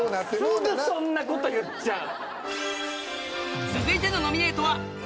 すぐそんなこと言っちゃう。